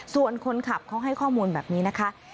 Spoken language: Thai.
ส่วนคนขับเขาให้ข้อมูลแบบนี้นะคะ